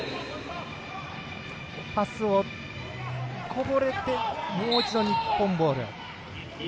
パスがこぼれてもう一度日本ボール。